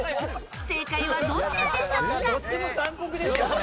正解はどちらでしょうか。